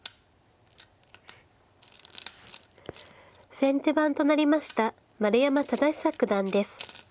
先手番となりました丸山忠久九段です。